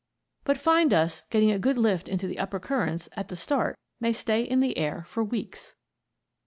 But fine dust getting a good lift into the upper currents at the start may stay in the air for weeks.